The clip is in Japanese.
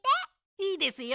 いいですよ。